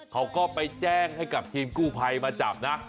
เขาก็ไปแจ้งให้กับทีมกู้ภัยมาจับนะ